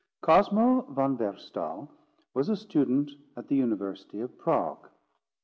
Cosmo von Wehrstahl was a student at the University of Prague.